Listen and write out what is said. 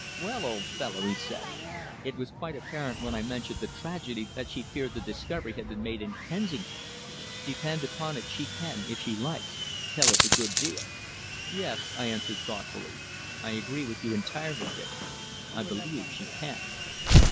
"Well, old fellow," he said, "it was quite apparent when I mentioned the tragedy that she feared the discovery had been made in Kensington. Depend upon it she can, if she likes, tell us a good deal." "Yes," I answered thoughtfully, "I agree with you entirely, Dick. I believe she can."